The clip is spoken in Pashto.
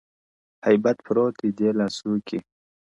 هيبت پروت دی دې لاسوکي -